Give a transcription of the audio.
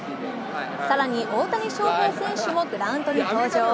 更に、大谷翔平選手もグラウンドに登場。